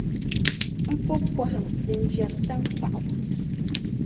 M po pɔhim din ʒiεri taŋkpaɣu